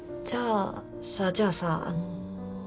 じゃあさじゃあさあの。